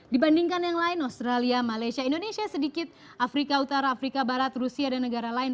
dibandingkan yang lain australia malaysia indonesia sedikit afrika utara afrika barat rusia dan negara lain